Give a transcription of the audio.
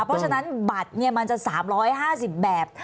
เพราะฉะนั้นบัตรมันจะ๓๕๐แบบ